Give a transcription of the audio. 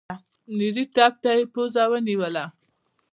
نري تپ ته يې پزه ونيوله.